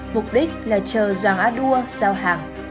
mục đích là chờ giang anua giao hàng